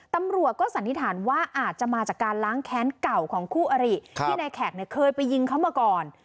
ตำรวจก็สันนิษฐานว่าอาจจะมาจากการล้างแค้นเก่าของคู่อริที่นายแขกเนี่ยเคยไปยิงเขามาก่อน